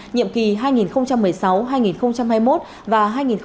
nhiệm kỳ hai nghìn một mươi sáu hai nghìn hai mươi một và hai nghìn hai mươi một hai nghìn hai mươi sáu